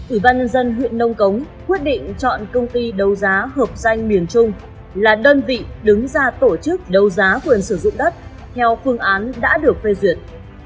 ủy ban nhân dân huyện nông cống quyết định chọn công ty đấu giá hợp danh miền trung là đơn vị đứng ra tổ chức đấu giá quyền sử dụng đất theo phương án đã được phê duyệt